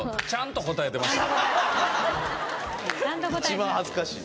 一番恥ずかしい。